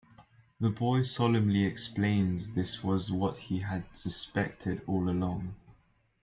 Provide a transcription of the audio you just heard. The boy solemnly explains this was what he had suspected all along.